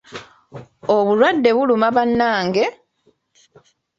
Obulwadde buluma bannange!